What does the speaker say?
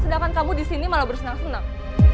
sedangkan kamu disini malah bersenang senang